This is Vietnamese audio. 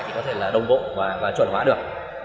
thì có thể đồng bộ và chuẩn hóa được